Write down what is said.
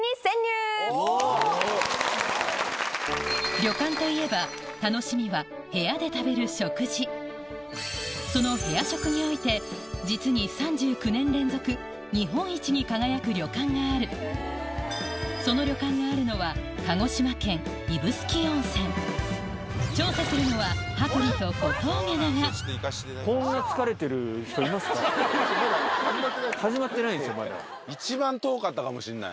旅館といえば楽しみは部屋で食べる食事その部屋食において実に３９年連続日本一に輝く旅館があるその旅館があるのは調査するのは羽鳥と小峠だがかもしんない。